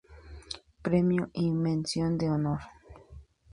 Premio y Mención de Honor.